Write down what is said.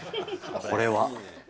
これは。